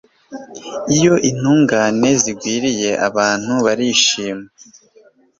Iyo intungane zigwiriye abantu barishima